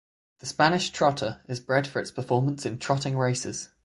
The Spanish Trotter is bred for performance in trotting races.